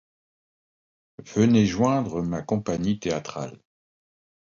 Venez joindre ma compagnie théâtrale.